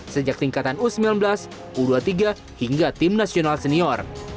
sejak tingkatan u sembilan belas u dua puluh tiga hingga tim nasional senior